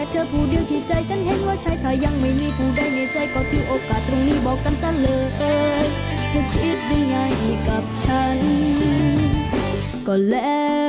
สุดคิดได้ไงกับฉันก็แล้วแต่